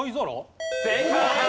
正解！